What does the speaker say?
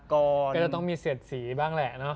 ก็จะต้องมีเสียดสีบ้างแหละเนาะ